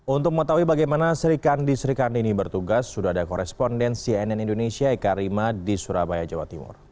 untuk mengetahui bagaimana serikandi serikandi ini bertugas sudah ada koresponden cnn indonesia eka rima di surabaya jawa timur